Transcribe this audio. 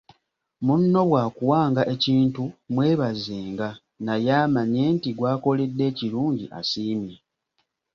Munno bw’akuwanga ekintu mwebazenga naye amanye nti gw’akoledde ekirungi asiimye.